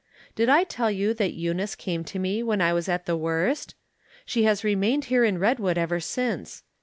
Did I tell you that Eunice came to me when I was at the worst ? She has remained here in Redwood ever since.